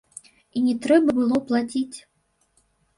І не трэба было плаціць.